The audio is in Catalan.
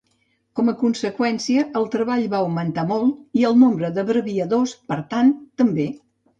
Com a conseqüència, el treball va augmentar molt, i el nombre d'abreviadors per tant també.